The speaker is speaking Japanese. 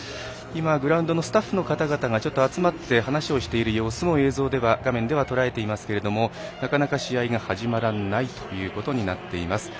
グラウンドのスタッフの方々が集まって話をしている様子も画面ではとらえていますがなかなか試合が始まらないということになっています。